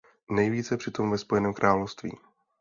Nejvíce přitom ve Spojeném království.